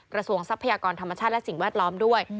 ทรัพยากรธรรมชาติและสิ่งแวดล้อมด้วย